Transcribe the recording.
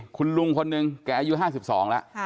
คุณลุงคนหนึ่งแกอายุ๕๒แล้ว